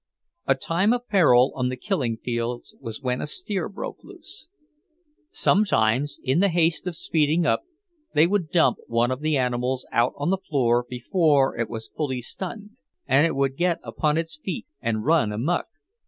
A time of peril on the killing beds was when a steer broke loose. Sometimes, in the haste of speeding up, they would dump one of the animals out on the floor before it was fully stunned, and it would get upon its feet and run amuck.